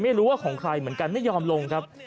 ไม่รู้ว่าของใครเหมือนกันไม่ยอมลงครับ